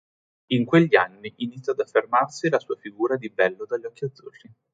In quegli anni iniziò ad affermarsi la sua figura di "bello dagli occhi azzurri".